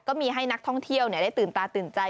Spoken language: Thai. ก็มีให้นักท่องเที่ยวได้ตื่นตาตื่นใจ